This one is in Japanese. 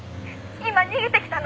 「今逃げてきたの。